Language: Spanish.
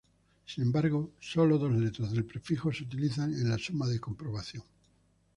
Sin embargo, sólo dos letras del prefijo se utilizan en la suma de comprobación.